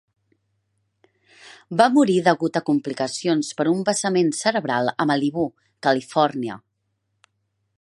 Va morir degut a complicacions per un vessament cerebral a Malibú, Califòrnia.